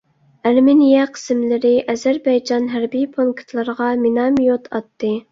ئەرمېنىيە قىسىملىرى ئەزەربەيجان ھەربىي پونكىتلىرىغا مىناميوت ئاتتى.